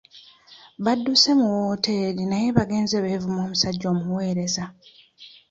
Badduse mu wooteri naye bagenze beevuma omusajja omuweereza.